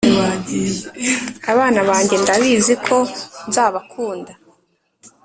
abana banjye ndabizi ko nzabakunda